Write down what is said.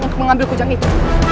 untuk mengambil kujang sakti